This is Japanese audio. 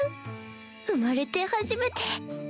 生まれて初めて